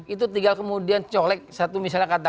itu tinggal kemudian colek satu misalnya kata